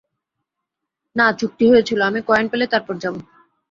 না, চুক্তি হয়েছিল, আমি কয়েন পেলে তারপর যাব।